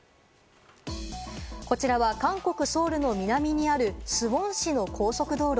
こちらは韓国ソウルの南にあるスウォン市の高速道路。